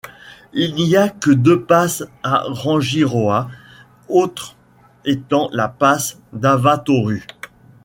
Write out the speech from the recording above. Il n'y a que deux passes à Rangiroa, autres étant la passe d'Avatoru.